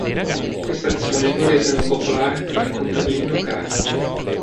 Queste azioni lo resero impopolare tra i contadini locali.